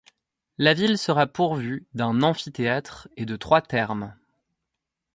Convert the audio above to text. La ville sera pourvue d'un amphithéâtre et de trois thermes.